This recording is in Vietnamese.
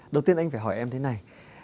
đầu tiên anh phải hỏi em thế này